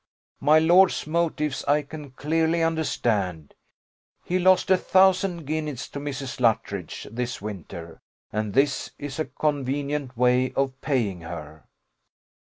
My lord's motives I can clearly understand: he lost a thousand guineas to Mrs. Luttridge this winter, and this is a convenient way of paying her.